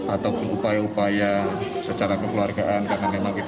atau upaya upaya secara kekeluargaan